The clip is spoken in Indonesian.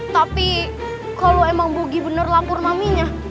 tapi kalau emang bogi bener lapor maminya